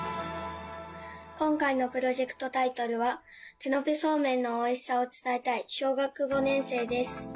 今回のプロジェクトタイトルは手延べそうめんのおいしさを伝えたい小学５年生です